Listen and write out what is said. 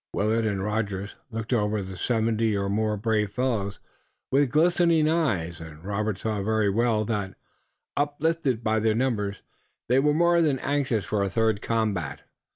Willet and Rogers looked over the seventy or more brave fellows, with glistening eyes, and Robert saw very well that, uplifted by their numbers, they were more than anxious for a third combat.